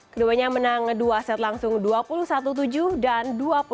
keduanya menang dua set langsung dua puluh satu tujuh dan dua puluh satu